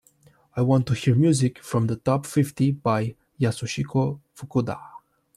I want to hear music from the top fifty by Yasuhiko Fukuda